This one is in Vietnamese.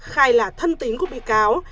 khai là thân tính của bị cáo